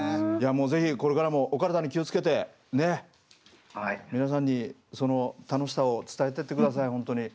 もうぜひこれからもお体に気をつけて皆さんにその楽しさを伝えてって下さいホントに。